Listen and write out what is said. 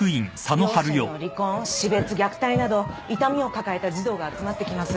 両親の離婚死別虐待など痛みを抱えた児童が集まってきます。